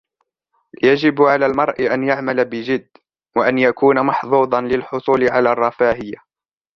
يجب على المرء ان يعمل بجد وان يكون محظوظا للحصول على الرفاهية